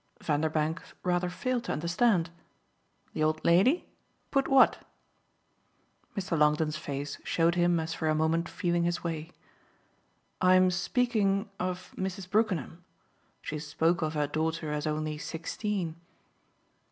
Vanderbank rather failed to understand. "The old lady? Put what?" Mr. Longdon's face showed him as for a moment feeling his way. "I'm speaking of Mrs. Brookenham. She spoke of her daughter as only sixteen."